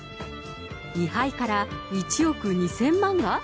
遺灰から１億２０００万が？